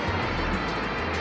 jangan makan aku